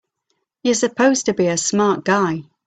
You're supposed to be a smart guy!